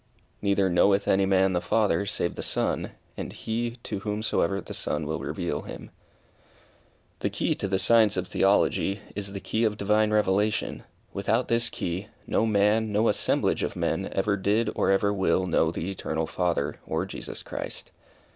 "Neither knoweth any man the Father save the son, and he to whomsoever the son will reveal him." The key to the science of Theology, is the key of divine revelation. Without this key, no man, no assemblage of men, ever did, or ever will know the Eternal Father, or Jesus Christ.